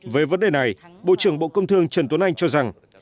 về vấn đề này bộ trưởng bộ công thương trần tuấn anh cho rằng